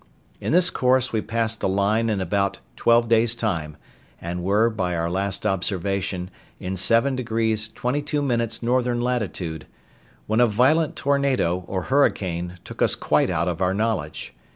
In this course we passed the line in about twelve days' time, and were, by our last observation, in seven degrees twenty two minutes northern latitude, when a violent tornado, or hurricane, took us quite out of our knowledge.